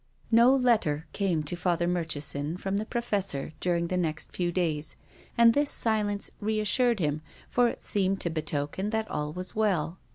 No letter came to Father Murchison from the Professor during the next few days, and this silence reassured him, for it seemed to betoken that all was well.